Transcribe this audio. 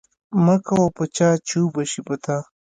مکوه په چا چې وبه شي په تا.